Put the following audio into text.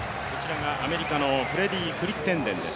アメリカのフレディー・クリッテンデンです。